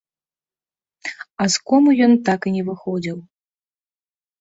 А з комы ён так і не выходзіў.